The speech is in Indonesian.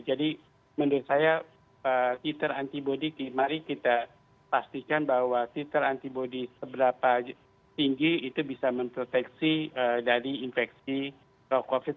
jadi menurut saya titer antibody mari kita pastikan bahwa titer antibody seberapa tinggi itu bisa memproteksi dari infeksi covid sembilan belas